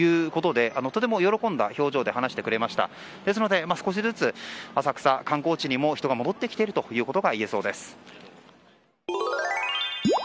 ですので、少しずつ浅草、観光地にも人が戻ってきていることが言えそうです。